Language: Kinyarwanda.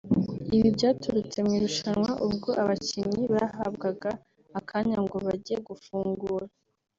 Ibi byaturutse mu irushanwa ubwo abakinnyi bahabwaga akanya ngo bajye gufungura